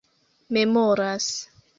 memoras